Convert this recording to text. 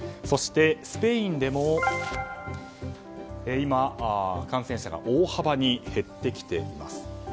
そして、スペインでも今、感染者が大幅に減ってきています。